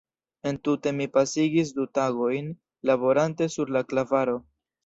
Entute mi pasigis du tagojn laborante sur la klavaro.